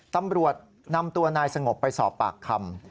ตำรวจนำตัวนายสงบไปสอบปากคำ